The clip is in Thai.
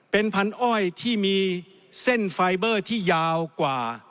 เป็นพันอ้อยที่มีเส้นไฟเบอร์ที่ยาวกว่า